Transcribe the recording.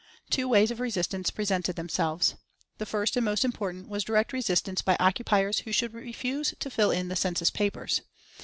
Two ways of resistance presented themselves. The first and most important was direct resistance by occupiers who should refuse to fill in the census papers.